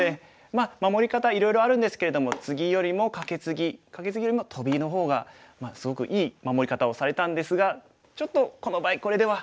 まあ守り方はいろいろあるんですけれどもツギよりもカケツギカケツギよりもトビの方がすごくいい守り方をされたんですがちょっとこの場合これでは。